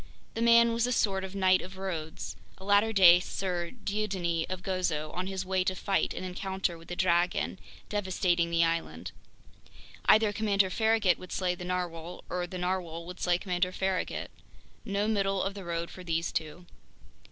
The man was a sort of Knight of Rhodes, a latter day Sir Dieudonné of Gozo, on his way to fight an encounter with the dragon devastating the island. Either Commander Farragut would slay the narwhale, or the narwhale would slay Commander Farragut. No middle of the road for these two.